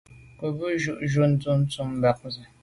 Ke ghù jujù dun ntùm bam se.